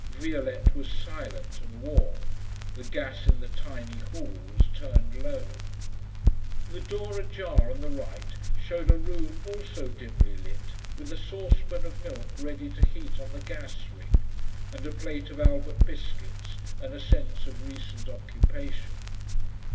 Violette was silent and warm; the gas in the tiny hall was turned low. The door ajar on the right showed a room also dimly lit, with a saucepan of milk ready to heat on the gas ring, and a plate of Albert biscuits and a sense of recent occupation.